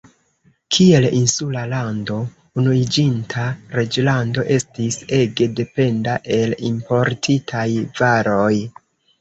Kiel insula lando, Unuiĝinta Reĝlando estis ege dependa el importitaj varoj.